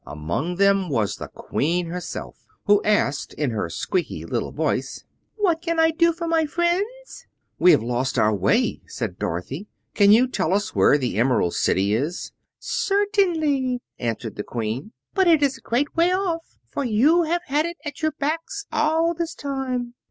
Among them was the Queen herself, who asked, in her squeaky little voice: "What can I do for my friends?" "We have lost our way," said Dorothy. "Can you tell us where the Emerald City is?" "Certainly," answered the Queen; "but it is a great way off, for you have had it at your backs all this time."